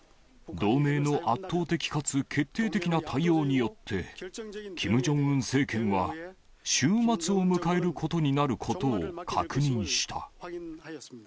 同盟の圧倒的かつ決定的な対応によって、キム・ジョンウン政権は終末を迎えることになることを確認した。